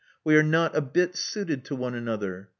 We are not a bit suited to one another.